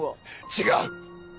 違う。